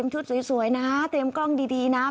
ซอสสวยนะเตรลองกล้องดีนะ